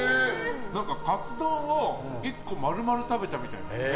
カツ丼を１個丸々食べたみたい。